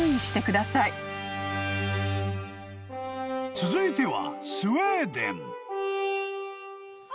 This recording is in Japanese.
［続いては］